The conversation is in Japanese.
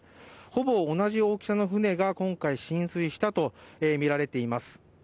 ほぼ同じ大きさの船が今回、浸水したとみられています。